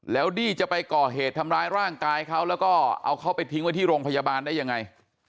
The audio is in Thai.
แล้วดี้จะไปก่อเหตุทำร้ายร่างกายเขาแล้วก็เอาเขาไปทิ้งไว้ที่โรงพยาบาลได้ยังไง